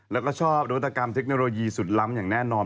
แล้วก็ชอบนวัตกรรมเทคโนโลยีสุดล้ำอย่างแน่นอน